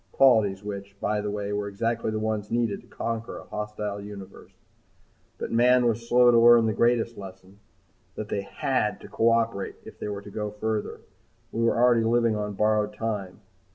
Qualities which, by the way, were exactly the ones needed to conquer a hostile universe. But mankind was slow to learn the greatest lesson, that they had to cooperate if they were to go further. We were already living on borrowed time.